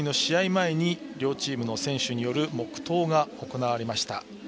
前に両チームの選手による黙とうが行われました。